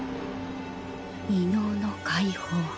異能の解放。